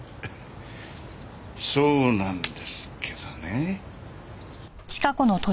そうなんですけどね。